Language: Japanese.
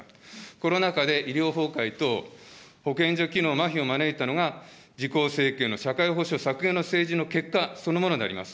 コロナ禍で医療崩壊等、保健所機能まひを招いたのが、自公政権の社会保障削減の政治の結果、そのものであります。